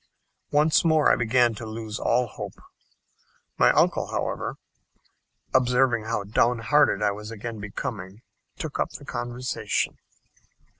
Once more I began to lose all hope. My uncle, however, observing how downhearted I was again becoming, took up the conversation.